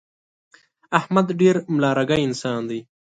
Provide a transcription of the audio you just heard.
احمد ډېر ملا رګی انسان دی.